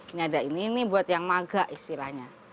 ini ada ini ini buat yang maga istilahnya